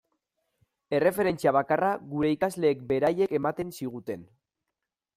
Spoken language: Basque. Erreferentzia bakarra gure ikasleek beraiek ematen ziguten.